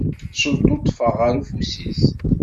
Celtuṭṭfeɣ ɣer ufus-is.